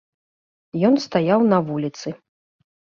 Ён стаяў на вуліцы.